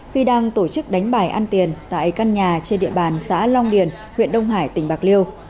khi đang tổ chức đánh bài ăn tiền tại căn nhà trên địa bàn xã long điền huyện đông hải tỉnh bạc liêu